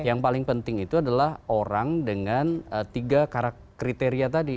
yang paling penting itu adalah orang dengan tiga kriteria tadi